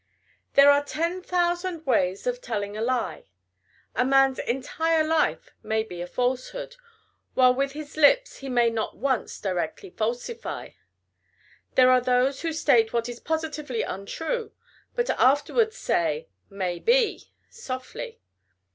There are ten thousand ways of telling a lie. A man's entire life may be a falsehood, while with his lips he may not once directly falsify. There are those who state what is positively untrue, but afterwards say, "may be," softly.